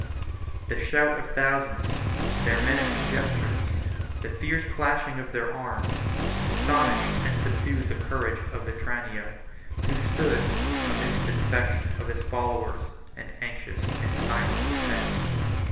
The shout of thousands, their menacing gestures, the fierce clashing of their arms, astonished and subdued the courage of Vetranio, who stood, amidst the defection of his followers, in anxious and silent suspense.